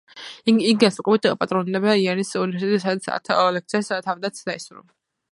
იგი განსაკუთრებით პატრონობდა იენის უნივერსიტეტს, სადაც ათ ლექციას თავადაც დაესწრო.